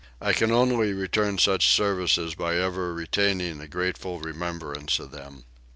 I can only return such services by ever retaining a grateful remembrance of them.